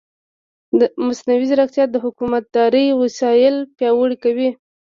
مصنوعي ځیرکتیا د حکومتدارۍ وسایل پیاوړي کوي.